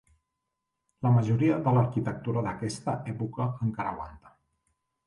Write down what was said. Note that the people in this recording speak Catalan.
La majoria de l'arquitectura d'aquesta època encara aguanta.